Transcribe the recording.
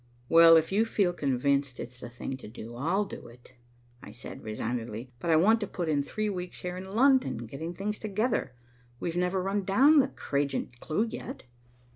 "Well, if you feel convinced it's the thing to do, I'll do it," I said resignedly. "But I want to put in three weeks here in London, getting things together. We've never run down that Cragent clue yet."